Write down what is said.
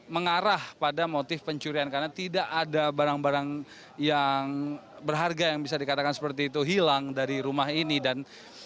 mengarah pada motif pencurian karena tidak ada barang barang yang berharga yang bisa dikatakan seperti itu hilang dari rumah ini dan